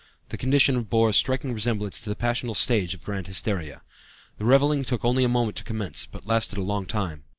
The condition bore a striking resemblance to the passional stage of grand hysteria. The reveling took only a moment to commence, but lasted a long time.